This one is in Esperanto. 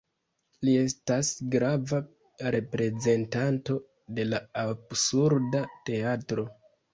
Li estas grava reprezentanto de la Absurda Teatro.